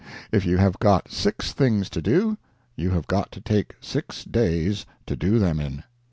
If you have got six things to do, you have got to take six days to do them in.